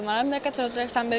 malah mereka terus terus sambil